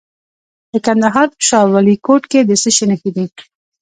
د کندهار په شاه ولیکوټ کې د څه شي نښې دي؟